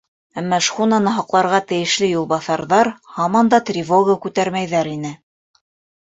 Әммә шхунаны һаҡларға тейешле юлбаҫарҙар һаман да тревога күтәрмәйҙәр ине.